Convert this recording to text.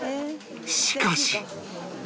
しかし